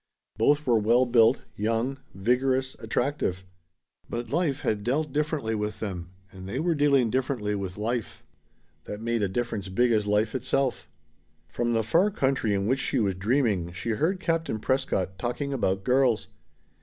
Both were well built, young, vigorous, attractive. But life had dealt differently with them, and they were dealing differently with life. That made a difference big as life itself. From the far country in which she was dreaming she heard Captain Prescott talking about girls.